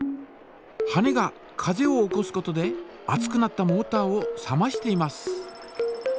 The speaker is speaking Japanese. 羽根が風を起こすことで熱くなったモータを冷ましています。